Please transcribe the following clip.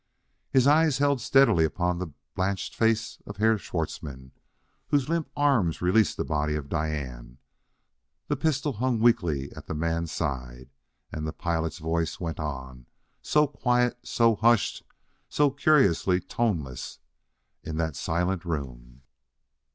His eyes held steadily upon the blanched face of Herr Schwartzmann, whose limp arms released the body of Diane; the pistol hung weakly at the man's side. And the pilot's voice went on, so quiet, so hushed so curiously toneless in that silent room.